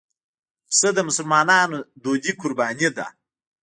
پسه د مسلمانانو دودي قرباني ده.